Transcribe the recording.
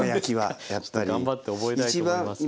頑張って覚えたいと思います。